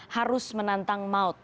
harus menantang maut